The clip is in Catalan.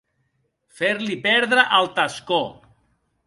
Fer-li perdre el tascó.